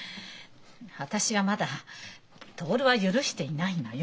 私はまだ徹を許していないのよ。